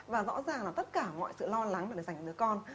và rõ ràng là tất cả mọi sự lo lắng để giành đứa con